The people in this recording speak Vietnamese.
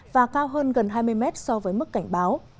và cao hơn gần hai mươi mét so với mức cảnh báo